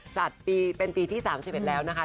จัดเป็นปีที่๓๑แล้วนะคะ